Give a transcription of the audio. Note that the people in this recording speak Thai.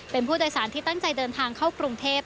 เป็นผู้โดยสารที่ตั้งใจเดินทางเข้ากรุงเทพ